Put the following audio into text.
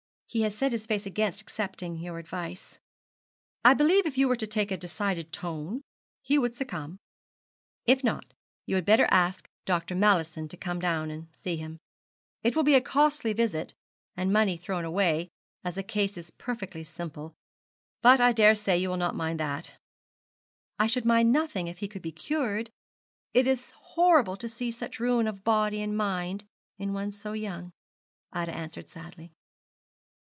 He has set his face against accepting your advice.' 'I believe if you were to take a decided tone, he would succumb; if not, you had better ask Dr. Mallison to come down and see him. It will be a costly visit, and money thrown away, as the case is perfectly simple; but I dare say you will not mind that.' 'I should mind nothing if he could be cured. It is horrible to see such ruin of body and mind in one so young,' Ida answered sadly.